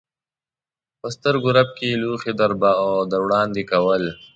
په سترګو رپ کې یې لوښي در وړاندې کول.